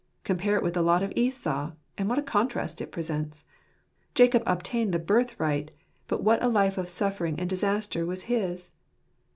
Compare it with the lot of Esau; and what a contrast it presents ! Jacob obtained the birthright; but what a life of suffering and disaster was his